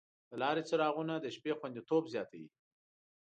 د لارې څراغونه د شپې خوندیتوب زیاتوي.